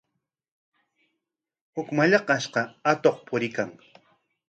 Huk mallaqnashqa atuq puriykan.